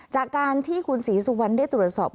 จากการที่คุณศรีสุวรรณได้ตรวจสอบ